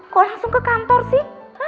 kok langsung ke kantor sih